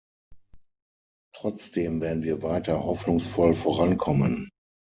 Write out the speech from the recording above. Trotzdem werden wir weiter hoffnungsvoll vorankommen.